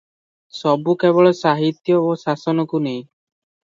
ସବୁ କେବଳ ସାହିତ୍ୟ ଓ ଶାସନକୁ ନେଇ ।